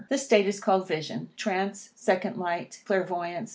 This state is called vision, trance, second sight, clairvoyance, &c.